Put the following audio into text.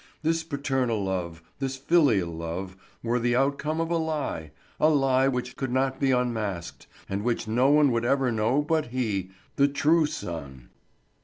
This paternal love, this filial love, were the outcome of a lie—a lie which could not be unmasked, and which no one would ever know but he, the true son.